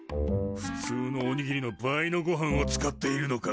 ふつうのおにぎりの倍のごはんを使っているのか。